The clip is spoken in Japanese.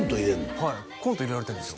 はいコント入れられてるんですよ